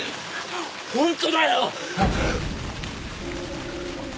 本当だよ！